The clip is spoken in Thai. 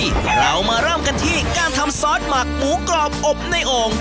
เรามาเริ่มกันที่การทำซอสหมักหมูกรอบอบในโอ่ง